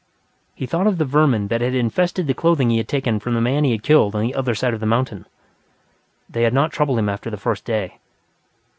He thought of the vermin that had infested the clothing he had taken from the man he had killed on the other side of the mountain; they had not troubled him after the first day.